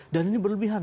dan ini berlebihan